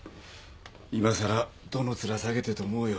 いまさらどの面下げてと思うよ。